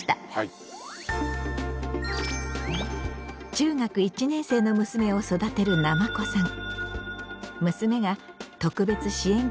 中学１年生の娘を育てるなまこさん。